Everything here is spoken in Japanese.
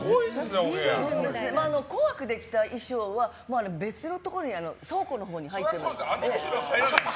「紅白」で着た衣装は別のところ倉庫のほうに入ってますので。